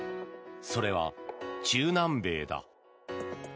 それは、中南米だ。